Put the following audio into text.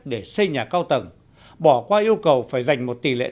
để xây nhà cao tầng bỏ qua yêu cầu phải dành một tỷ lệ